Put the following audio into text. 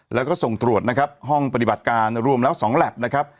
แล้วก็ส่งตรวจนะครับห้องปฏิบัติการรวมแล้ว๒แล็บนะครับ